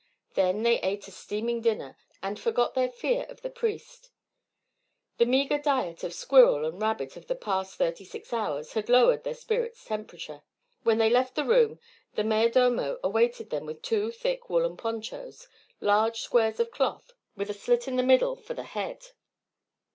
Then they ate a steaming dinner, and forgot their fear of the priest: the meagre diet of squirrel and rabbit of the past thirty six hours had lowered their spirits' temperature. When they left the room the mayor domo awaited them with two thick woollen ponchos large squares of cloth with a slit in the middle for the head.